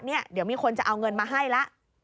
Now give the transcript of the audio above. เนี่ยเดี๋ยวมีคนจะเอาเงินมาให้ละ